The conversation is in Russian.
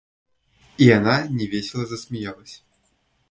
И она невесело засмеялась.